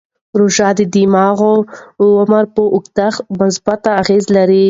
روژه د دماغي عمر پر اوږدښت مثبت اغېز لري.